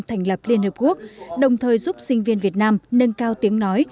thành lập liên hợp quốc đồng thời giúp sinh viên việt nam nâng cao tiếng nói